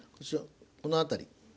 この辺り。